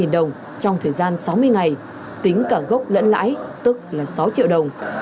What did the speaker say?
một mươi đồng trong thời gian sáu mươi ngày tính cả gốc lẫn lãi tức là sáu triệu đồng